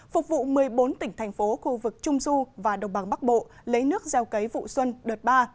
phục vụ một mươi bốn tỉnh thành phố khu vực trung du và đồng bằng bắc bộ lấy nước gieo cấy vụ xuân đợt ba